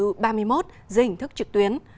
dưới hình thức trực tuyến